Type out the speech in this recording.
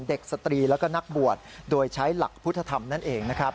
สตรีแล้วก็นักบวชโดยใช้หลักพุทธธรรมนั่นเองนะครับ